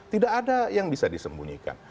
tidak ada yang bisa disembunyikan